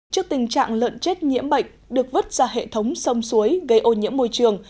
trước tình trạng lợn chết nhiễm bệnh được vứt ra hệ thống sông suối gây ô nhiễm môi trường